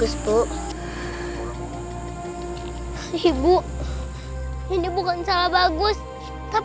ibu udah ikhlas nak